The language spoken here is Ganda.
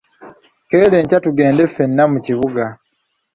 Keera enkya tugende ffenna mu kibuga.